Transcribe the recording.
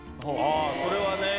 あぁそれはね。